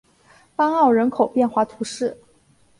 邦奥人口变化图示